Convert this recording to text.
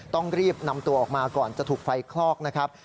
ต้องรีบนำตัวออกมาก่อนจะถูกไฟคลอกนะครับ